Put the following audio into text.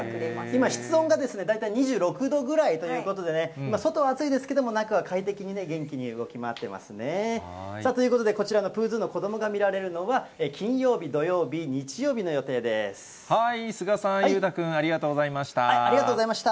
今、室温が大体２６度ぐらいということでね、今、外は暑いですけれども、中は快適に、元気に動き回ってますね。ということでこちらのプーズーの子どもが見られるのは、金曜日、須賀さん、裕太君、ありがとありがとうございました。